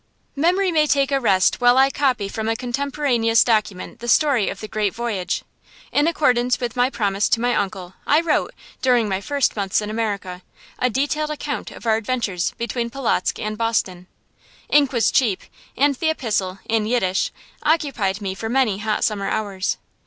Memory may take a rest while I copy from a contemporaneous document the story of the great voyage. In accordance with my promise to my uncle, I wrote, during my first months in America, a detailed account of our adventures between Polotzk and Boston. Ink was cheap, and the epistle, in Yiddish, occupied me for many hot summer hours.